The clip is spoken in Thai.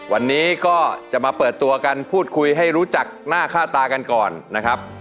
วันนี้ก็จะมาเปิดตัวกันพูดคุยให้รู้จักหน้าค่าตากันก่อนนะครับ